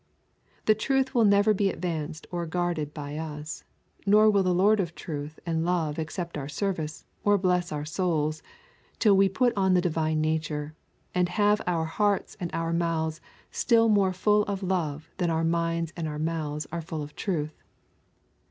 The truth will never be advanced or guarded by us, nor will the Lord of truth and love accept our service or bless our souls, till we put on the divine nature, and have our hearts and our mouths still more full of love than our minds and our mouths are full of truth.